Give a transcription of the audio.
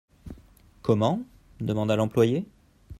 Comment ? demanda l'employé.